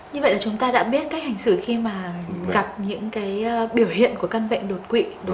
như vậy là chúng ta đã biết cách hành xử khi mà gặp những biểu hiện của căn bệnh đột quỵ